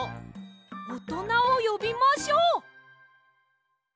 おとなをよびましょう！